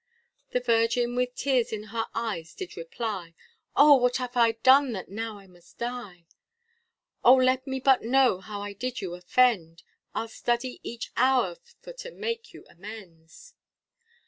The virgin, with tears in her eyes, did reply, O! what have I done that now I must die? O! let me but know how I did you offend, I'll study each hour for to make you amends.